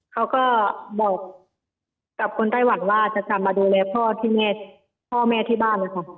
เขาก็บอกกับคนไต้หวันว่าจะกลับมาดูแลพ่อที่แม่พ่อแม่ที่บ้านนะคะ